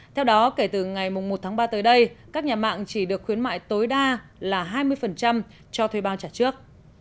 theo đó kể từ ngày một tháng ba tới đây các nhà mạng chỉ được khuyến mại tối đa là hai mươi cho thuê bao trả trước